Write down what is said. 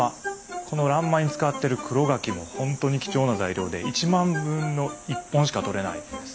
この欄間に使ってる黒柿も本当に貴重な材料で一万分の一本しかとれないんです。